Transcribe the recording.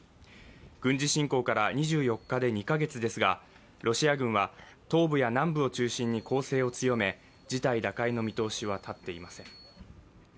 軍事侵攻から２４日で２カ月ですがロシア軍は東部や南部を中心に攻勢を強め事態打開の見通しは立っていません。